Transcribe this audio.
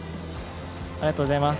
ありがとうございます。